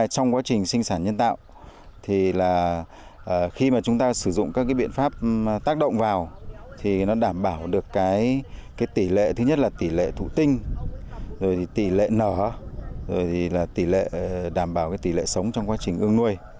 trong quá trình sinh sản nhân tạo thì khi chúng ta sử dụng các biện pháp tác động vào thì nó đảm bảo được tỷ lệ thủ tinh tỷ lệ nở tỷ lệ sống trong quá trình ương nuôi